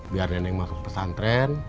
biar neneng masuk pesantren